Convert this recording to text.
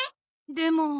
でも。